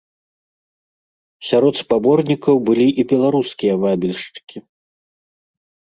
Сярод спаборнікаў былі і беларускія вабільшчыкі.